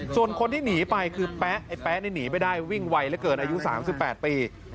ส่วนคนที่หนีไปคือแป๊ะไอ้แป๊ะนี่หนีไม่ได้วิ่งไวเหลือเกินอายุ๓๘ปี